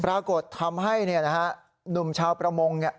ปรากฏทำให้เนี้ยน่ะฮะหนุ่มชาวประมงเนี้ย